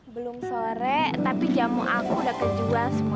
belum sore tapi jamu aku udah kejual semua